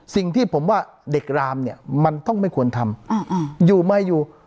สิ่งที่ผมว่าเด็กรามเนี่ยมันต้องไม่ควรทำอยู่มาอยู่